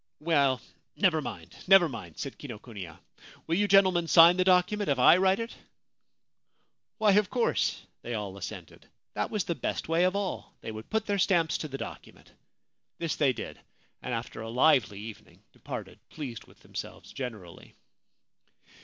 ' Well, never mind, never mind,' said Kinokuniya. ' Will you gentlemen sign the document if I write it ?' Why, of course, they all assented. That was the best way of all. They would put their stamps to the docu ment. This they did, and after a lively evening departed pleased with themselves generally.